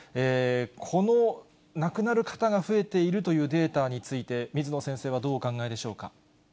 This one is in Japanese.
この亡くなる方が増えているというデータについて、水野先生はどうお考えでしょうか。